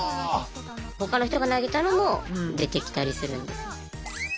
他の人が投げたのも出てきたりするんです。